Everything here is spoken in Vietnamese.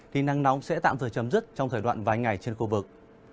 thì nắng nóng sẽ tạm thời chấm dứt trong thời đoạn vài ngày trên khu vực